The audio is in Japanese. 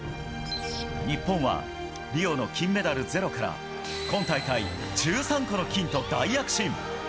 日本はリオの金メダル０から今大会１３個の金と大躍進！